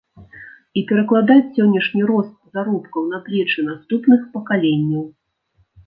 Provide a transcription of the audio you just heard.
І перакладаць сённяшні рост заробкаў на плечы наступных пакаленняў.